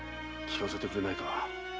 聞かせてくれないか？